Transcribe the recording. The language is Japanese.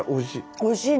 おいしいね。